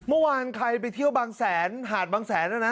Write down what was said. เมื่อวานใครไปเที่ยวบางแสนหาดบางแสนแล้วนะ